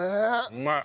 うまい！